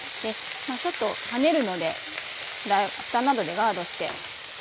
ちょっとはねるのでふたなどでガードして。